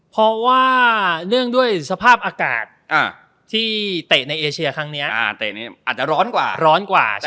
เพราะว่าเนื่องด้วยสภาพอากาศที่เตะในเอเชียครั้งนี้อาจจะร้อนกว่าร้อนกว่า